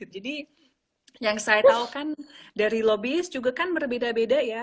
jadi yang saya tahu kan dari lobbyist juga kan berbeda beda ya